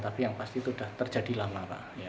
tapi yang pasti itu sudah terjadi lama pak